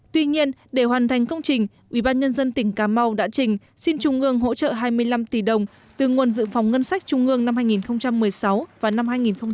tuy nhiên để hoàn thành công trình ubnd tỉnh cà mau đã trình xin trung ương hỗ trợ hai mươi năm tỷ đồng từ nguồn dự phòng ngân sách trung ương năm hai nghìn một mươi sáu và năm hai nghìn một mươi tám